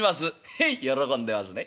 「へい喜んでますね。